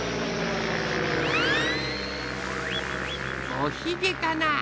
おひげかな？